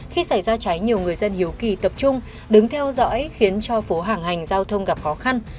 khi xảy ra cháy nhiều người dân hiếu kỳ tập trung đứng theo dõi khiến cho phố hàng hành giao thông gặp khó khăn